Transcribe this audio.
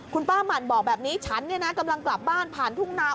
คุณป้าหมั่นบอกแบบนี้ฉันเนี่ยนะกำลังกลับบ้านผ่านทุ่งนา